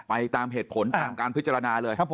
ไปตามเหตุผลหนังการพิจารณาเลย